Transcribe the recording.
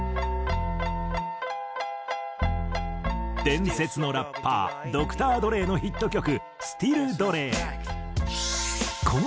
伝説のラッパードクター・ドレーのヒット曲『ＳｔｉｌｌＤ．Ｒ．Ｅ．』。